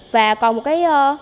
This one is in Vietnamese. và còn một cái